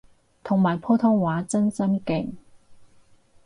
同埋普通話真心勁